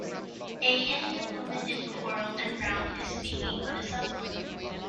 A Indian woman in coral and brown is speaking on a cellphone.